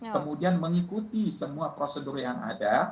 kemudian mengikuti semua prosedur yang ada